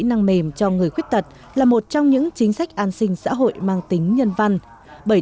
năng mềm cho người khuyết tật là một trong những chính sách an sinh xã hội mang tính nhân văn bởi